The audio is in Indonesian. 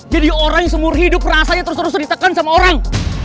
jadi orang yang seumur hidup rasanya terus terusan diteken sama orang